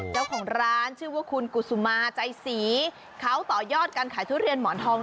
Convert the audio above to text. เจ้าของร้านชื่อว่าคุณกุศุมาใจศรีเขาต่อยอดการขายทุเรียนหมอนทอง